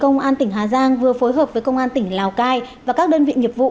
công an tỉnh hà giang vừa phối hợp với công an tỉnh lào cai và các đơn vị nghiệp vụ